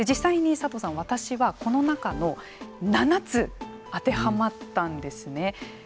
実際に佐藤さん、私はこの中の７つ、当てはまったんですね。